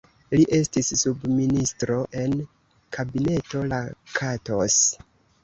Li estis subministro en Kabineto Lakatos.